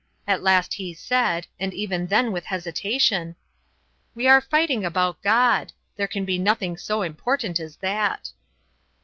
At last he said, and even then with hesitation: "We are fighting about God; there can be nothing so important as that."